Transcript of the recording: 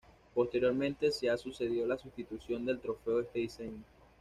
Posteriormente se ha sucedido la sustitución del trofeo de este diseño.